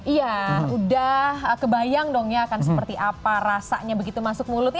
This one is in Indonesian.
iya udah kebayang dong ya akan seperti apa rasanya begitu masuk mulut ya